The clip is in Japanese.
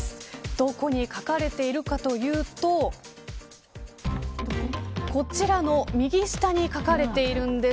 どこに書かれているかというとこちらの右下に書かれているんです。